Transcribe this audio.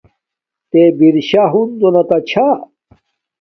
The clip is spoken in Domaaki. تے برشا ہنزو نا تا چھا